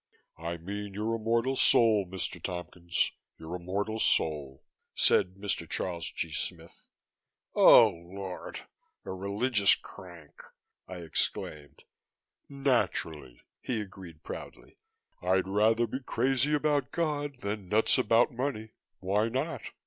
"I mean your immortal soul, Mr. Tompkins, your immortal soul," said Mr. Charles G. Smith. "Oh Lord! A religious crank!" I exclaimed. "Naturally," he agreed proudly. "I'd rather be crazy about God than nuts about money. Why not?"